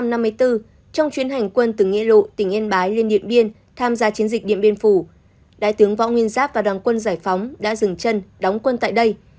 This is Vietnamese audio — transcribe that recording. năm một nghìn chín trăm năm mươi bốn trong chuyến hành quân từ nghĩa lộ tỉnh yên bái lên điện biên tham gia chiến dịch điện biên phù đại tướng võ nguyên giáp và đoàn quân giải phóng đã dừng chân đóng quân tại đây